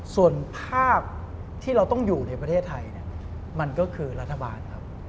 ส่วนภาพที่เราต้องอยู่ในประเทศไทยมันก็คือรัฐบาลครับ